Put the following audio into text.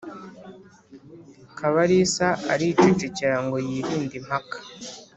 kabalisa aricecekera ngo yirinde impaka